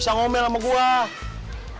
yang ada nih emak gue bapak gue